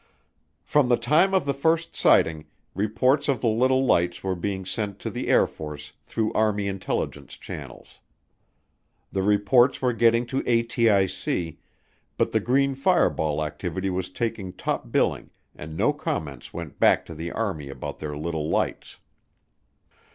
From the time of the first sighting, reports of the little lights were being sent to the Air Force through Army Intelligence channels. The reports were getting to ATIC, but the green fireball activity was taking top billing and no comments went back to the Army about their little lights.